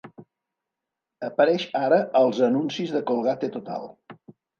Apareix ara als anuncis de Colgate Total.